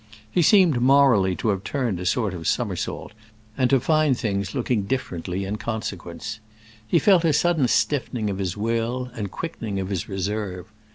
He seemed morally to have turned a sort of somersault, and to find things looking differently in consequence. He felt a sudden stiffening of his will and quickening of his reserve.